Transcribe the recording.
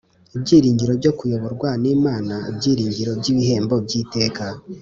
Ibyiringiro byo kuyoborwa n'Imana Ibyiringiro by'ibihembo by'iteka.